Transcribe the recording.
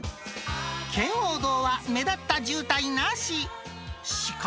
圏央道は目立った渋滞なし。